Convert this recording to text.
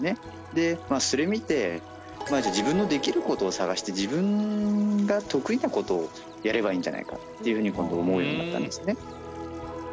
でそれ見てまあじゃ自分のできることを探して自分が得意なことをやればいいんじゃないかっていうふうに今度思うようになったんですね。